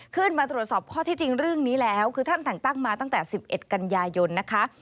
ตรวจสอบข้อที่จริงเรื่องนี้แล้วคือท่านแต่งตั้งมาตั้งแต่๑๑กันยายนนะคะ